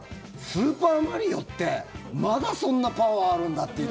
「スーパーマリオ」ってまだそんなパワーあるんだっていう。